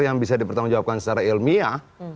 yang bisa dipertanggungjawabkan secara ilmiah